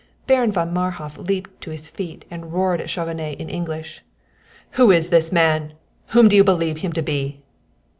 Baron von Marhof leaped to his feet and roared at Chauvenet in English: "Who is this man? Whom do you believe him to be?"